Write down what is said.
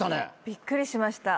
びっくりしました。